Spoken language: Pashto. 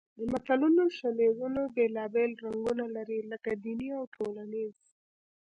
د متلونو شالیدونه بېلابېل رنګونه لري لکه دیني او ټولنیز